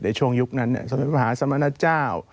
ในช่วงยุคนั้นพระมหาสมณะเจ้า